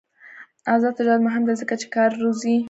آزاد تجارت مهم دی ځکه چې کار روزي.